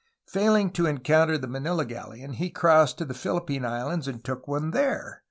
Failing to encounter the Manila galleon he crossed to the Phihppine Islands and took one there.